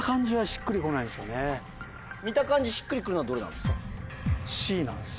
見た感じしっくり来るのはどれなんですか？